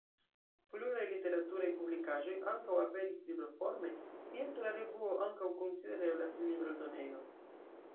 Pluraj literaturaj publikaĵoj ankaŭ aperis libroforme, tiel ke la revuo ankaŭ konsidereblas libroeldonejo.